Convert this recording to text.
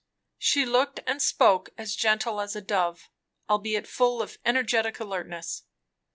She looked and spoke as gentle as a dove, albeit full of energetic alertness.